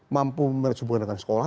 mampu memanage hubungan dengan sekolah